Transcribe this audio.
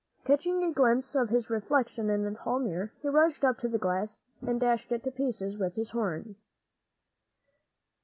Catching a glimpse of his reflection in a tall mirror, he rushed up to the glass and dashed it to pieces with his horns!